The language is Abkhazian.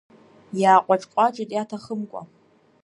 Иааҟәаҿҟәаҿит иаҭахымкәа…